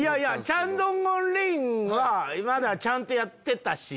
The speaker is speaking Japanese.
チャンドンゴンリンはまだちゃんとやってたし。